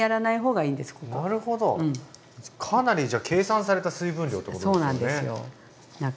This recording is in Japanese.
なるほどかなりじゃ計算された水分量ってことですよね。